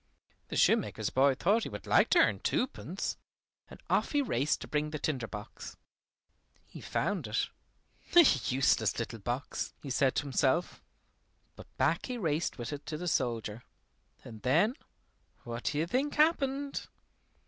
The shoemaker's boy thought he would like to earn twopence, and off he raced to bring the tinder box. He found it. "A useless little box," he said to himself, but back he raced with it to the soldier; and then what do you think happened?